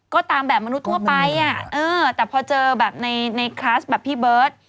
ก็ตามแบบมนุษย์ทั่วไปแต่พอเจอแบบในคลาสแบบพี่เบิร์ต